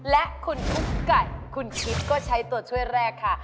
และคุณกุ๊กไก่คุณชิปก็ใช้ตัวช่วยแรกค่ะ